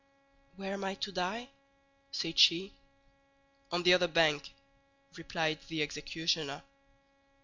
"Where am I to die?" said she. "On the other bank," replied the executioner.